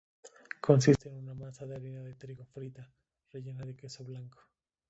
Consiste en una masa de harina de trigo frita, rellena de queso blanco.